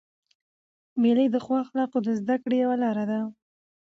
مېلې د ښو اخلاقو د زدهکړي یوه لاره ده.